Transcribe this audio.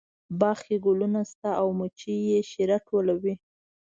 باغ کې ګلونه شته او مچۍ یې شیره ټولوي